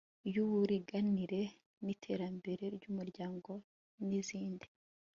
iy'uburinganire n'iterambere ry'umuryango n'izindi